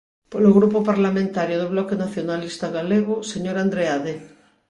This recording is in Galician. Polo Grupo Parlamentario do Bloque Nacionalista Galego, señor Andreade.